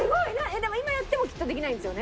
でも今やってもきっとできないんですよね？